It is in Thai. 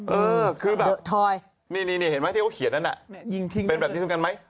เออคือแบบทอยนี่เห็นไหมที่เขาเขียนนั้นเป็นแบบนี้เหมือนกันไหม